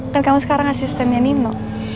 kan kamu sekarang asistennya nino